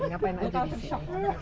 ngapain aja disini